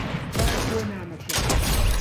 سوپاس بۆ نامەکەت.